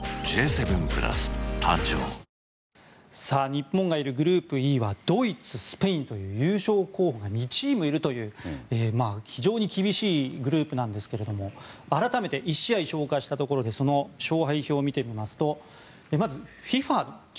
日本がいるグループＥはドイツ、スペインという優勝候補が２チームいるという非常に厳しいグループですけども改めて、１試合消化したところでその勝敗表を見てみますとまずＦＩＦＡランク。